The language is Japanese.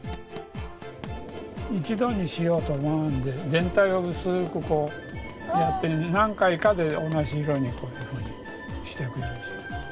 一度にしようと思わんで全体を薄くこうやって何回かで同じ色にこういうふうにして下さい。